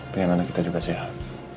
pengen anak kita juga sehat